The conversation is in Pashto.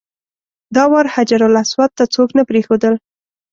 دا وار حجرالاسود ته څوک نه پرېښودل.